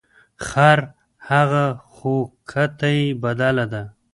خر هغه خو کته یې بدله ده.